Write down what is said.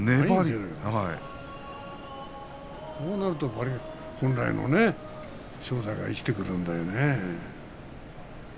こうなるともうね強さが生きてくるんだよね。